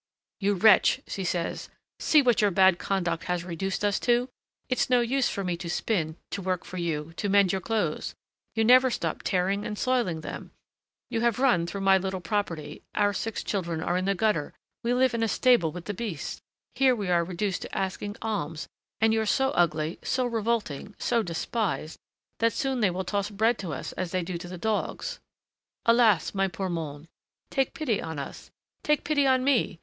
"You wretch!" she says, "see what your bad conduct has reduced us to! It's no use for me to spin, to work for you, to mend your clothes! you never stop tearing and soiling them. You have run through my little property, our six children are in the gutter, we live in a stable with the beasts; here we are reduced to asking alms, and you're so ugly, so revolting, so despised, that soon they will toss bread to us as they do to the dogs. Alas! my poor mondes [people], take pity on us! take pity on me!